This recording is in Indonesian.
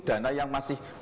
dana yang masih